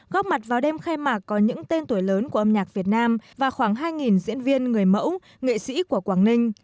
góp mặt vào đêm khai mạc có những tên tuổi lớn của âm nhạc việt nam và khoảng hai diễn viên người mẫu nghệ sĩ của quảng ninh